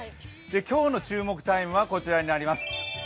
今日の注目タイムはこちらになります。